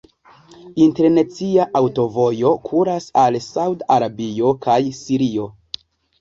Internacia aŭtovojo kuras al Saud-Arabio kaj Sirio.